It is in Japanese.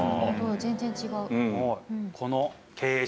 全然違う。